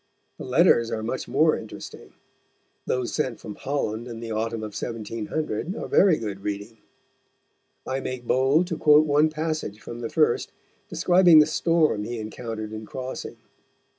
The letters are much more interesting. Those sent from Holland in the autumn of 1700 are very good reading. I make bold to quote one passage from the first, describing the storm he encountered in crossing.